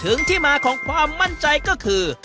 ที่มาของความมั่นใจก็คือ